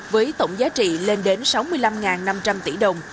với tổng giá trị lên đến sáu mươi năm năm trăm linh tỷ đồng